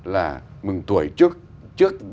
là mừng tuổi trước